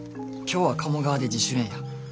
今日は賀茂川で自主練や。